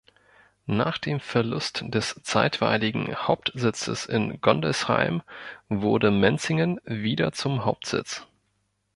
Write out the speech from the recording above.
Nach dem Verlust des zeitweiligen Hauptsitzes in Gondelsheim wurde Menzingen wieder zum Hauptsitz.